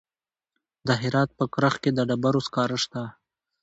د هرات په کرخ کې د ډبرو سکاره شته.